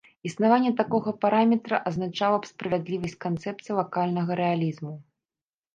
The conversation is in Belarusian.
Існаванне такога параметра азначала б справядлівасць канцэпцыі лакальнага рэалізму.